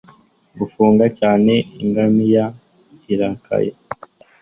Gufunga cyane ingamiya irakaye